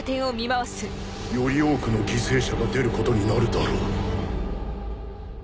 「より多くの犠牲者が出ることになるだ